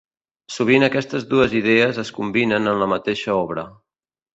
Sovint aquestes dues idees es combinen en la mateixa obra.